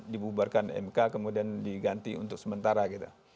dibubarkan mk kemudian diganti untuk sementara gitu